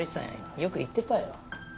よく言ってたよ。